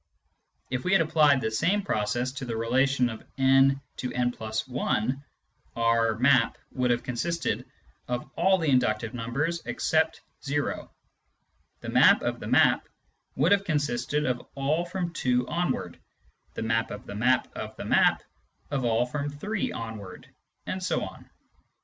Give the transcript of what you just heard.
If we had applied the same process to the relation of n to n \ i, our " map " would have consisted of all the inductive numbers except o ; the map of the map would have consisted of all from 2 onward, Hie map of the map of the map of all from 3 onward ; and so on.